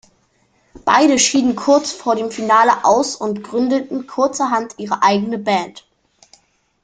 Beide schieden kurz vor dem Finale aus und gründeten kurzerhand ihre eigene Band.